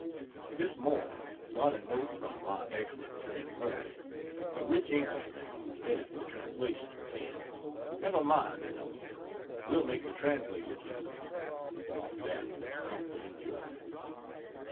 This morning brought a note from my excellent friend Murray, a rich Englishman who edits the translation, saying, "Never mind the notes we'll make the translators do them." That was comfort and joy.